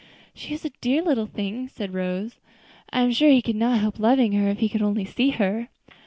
"She is a dear little thing," said Rose. "I am sure he could not help loving her, if he could only see her."